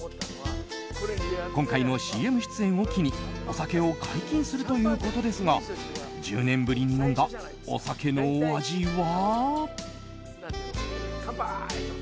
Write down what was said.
今回のＣＭ出演を機にお酒を解禁するということですが１０年ぶりに飲んだお酒のお味は？